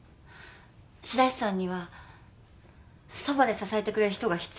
白石さんにはそばで支えてくれる人が必要だったのに。